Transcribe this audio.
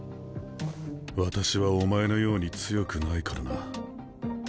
私はお前のように強くないからな。